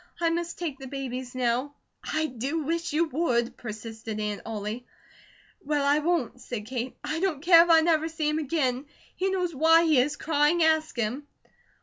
I must take the babies now." "I do wish you would!" persisted Aunt Ollie. "Well, I won't," said Kate. "I don't care if I never see him again. He knows WHY he is crying; ask him."